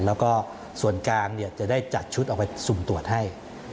แล้วก็ส่วนกลางจะได้จัดชุดออกไปสุ่มตรวจให้